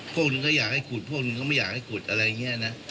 พวกหนึ่งก็อยากให้ขุดพวกหนึ่งก็ไม่อยากให้ขุดอะไรอย่างนี้นะ